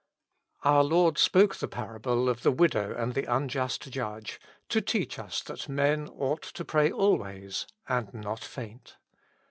OUR Lord spake the parable of the widow and the unjust judge to teach us that men ought to pray always and not feint.